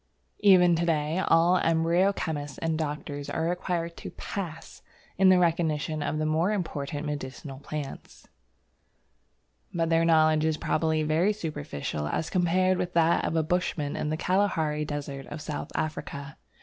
Even to day all embryo chemists and doctors are required to "pass" in the recognition of the more important medicinal plants. But their knowledge is probably very superficial as compared with that of a bushman in the Kalahari Desert of South Africa.